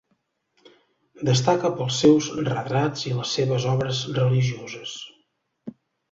Destaca pels seus retrats i les seves obres religioses.